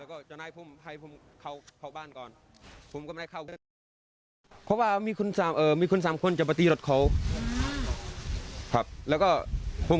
พยายามจะเข้ามาจับอีกไหม